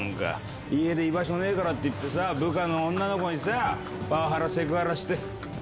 家で居場所ねえからって部下の女の子にさパワハラセクハラして。